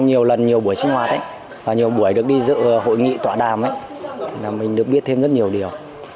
nhiều lần nhiều buổi sinh hoạt và nhiều buổi được đi dự hội nghị tọa đàm là mình được biết thêm rất nhiều điều